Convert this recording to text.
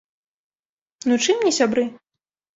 Ну чым не сябры?